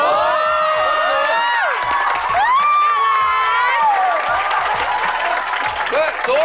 มีโบรรณ์สูง